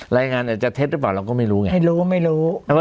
อาจจะเท็จหรือเปล่าเราก็ไม่รู้ไงไม่รู้ไม่รู้